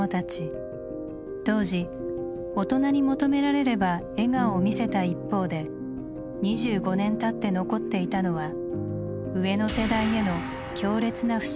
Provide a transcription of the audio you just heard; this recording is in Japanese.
当時大人に求められれば笑顔を見せた一方で２５年たって残っていたのは上の世代への強烈な不信感でした。